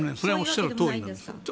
おっしゃるとおりです。